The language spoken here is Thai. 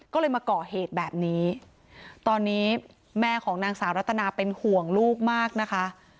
ก็เลยมาก่อเหตุแบบนี้ตอนนี้แม่ของนางสาวรัตนาเป็นห่วงลูกมากนะคะ